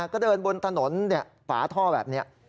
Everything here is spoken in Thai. ก็เดินบนถนนฝาท่อแบบนี้